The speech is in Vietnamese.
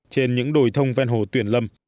trên những đồi thông ven hồ tuyền lâm